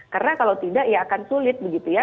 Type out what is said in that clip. karena kalau tidak ya akan sulit begitu ya